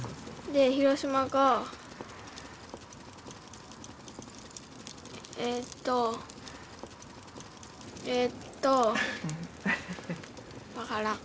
で広島がえっとえっとわからん。